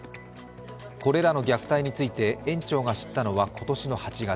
これらの虐待について、園長が知ったのは今年の８月。